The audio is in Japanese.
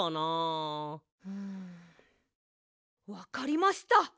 うんわかりました！